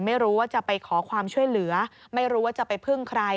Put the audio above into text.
ไม่รู้ว่าจะไปขอความช่วยเหลือไม่รู้ว่าจะไปพึ่งใคร